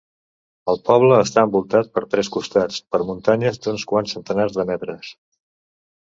El poble està envoltat per tres costats per muntanyes d'uns quants centenars de metres.